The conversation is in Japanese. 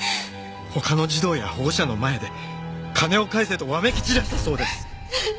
他の児童や保護者の前で金を返せとわめき散らしたそうです。